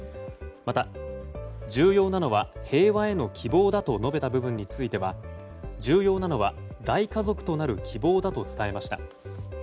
また、重要なのは平和への希望だと述べた部分については重要なのは大家族となる希望だと伝えました。